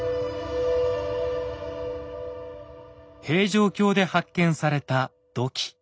平城京で発見された土器。